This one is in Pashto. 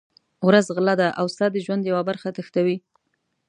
ورځ غله ده او ستا د ژوند یوه برخه تښتوي.